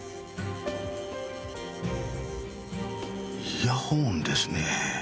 イヤホンですねぇ。